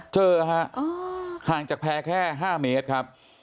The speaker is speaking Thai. เจอฮะห่างจากแพร่แค่๕เมตรครับ